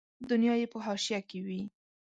دنیا یې په حاشیه کې وي.